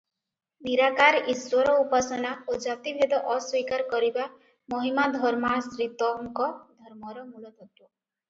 ନିରାକାର ଈଶ୍ୱର ଉପାସନା ଓ ଜାତିଭେଦ ଅସ୍ୱୀକାର କରିବା ମହିମାଧର୍ମାଶ୍ରିତଙ୍କ ଧର୍ମର ମୂଳତତ୍ତ୍ୱ ।